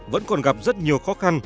vẫn còn gặp rất nhiều khó khăn